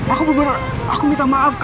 aku bener bener aku minta maaf